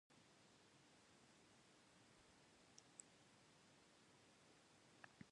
After the American Civil War, mansions replaced slums in Yorkville.